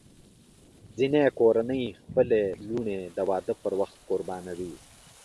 ځینې کورنۍ خپلې لوڼې د واده پر وخت قربانوي.